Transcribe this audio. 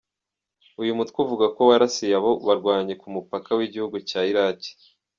Uyu mutwe uvuga ko warasiye abo barwanyi ku mupaka w’igihugu cya Iraki.